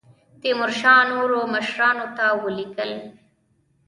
تیمورشاه نورو مشرانو ته ولیکل.